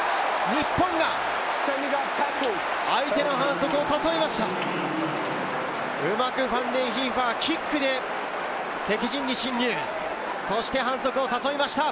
日本が相手の反則を誘いました。